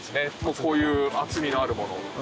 こういう厚みのあるもの。